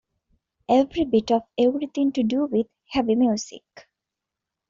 Every bit of everything to do with heavy music.